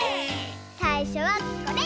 さいしょはこれ！